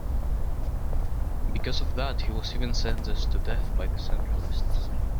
Because of that he was even sentenced to death by the "Centralists".